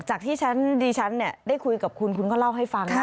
จากที่ฉันดิฉันได้คุยกับคุณคุณก็เล่าให้ฟัง